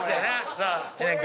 さあ知念君。